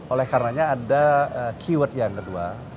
oleh karenanya ada keyword yang kedua